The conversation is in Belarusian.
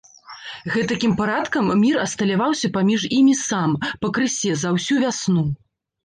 Гэтакім парадкам мір асталяваўся паміж імі сам, пакрысе, за ўсю вясну.